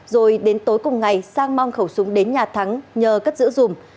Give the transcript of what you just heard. rồi đến tối cùng ngày sang mang khẩu súng đến nhà thắng nhờ cất giữ dùm